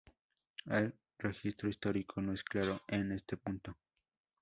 El registro histórico no es claro en este punto.